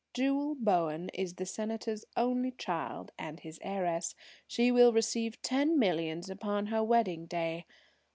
"Jewel Bowen is the Senator's only child, and his heiress. She will receive ten millions upon her wedding day.